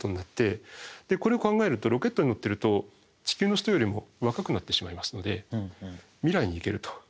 これを考えるとロケットに乗ってると地球の人よりも若くなってしまいますので未来に行けると。